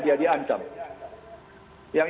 jadi apa yang jadi ancam